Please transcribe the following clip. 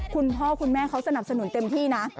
คุณพ่อคุณแม่เขาสนับสนุนเต็มที่นะ